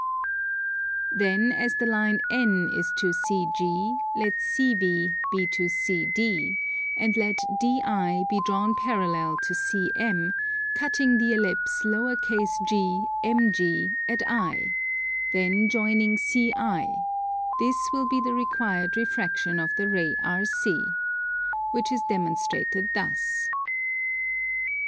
Then as the line N is to CG let CV be to CD, and let DI be drawn parallel to CM, cutting the Ellipse _g_MG at I; then joining CI, this will be the required refraction of the ray RC. Which is demonstrated thus.